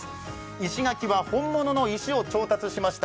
石垣は本物の石を調達しました。